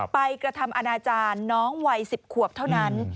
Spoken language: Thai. กระทำอนาจารย์น้องวัย๑๐ขวบเท่านั้น